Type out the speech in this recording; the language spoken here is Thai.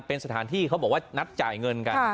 เป็นสถานที่เขาบอกว่านัดจ่ายเงินกัน